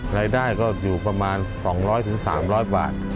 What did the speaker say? รายได้ก็อยู่ประมาณ๒๐๐๓๐๐บาท